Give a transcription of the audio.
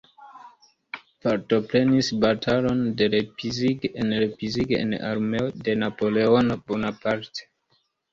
Partoprenis batalon de Leipzig en Leipzig en armeo de Napoleono Bonaparte.